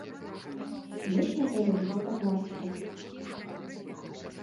Мы ж назавём гэта класікай.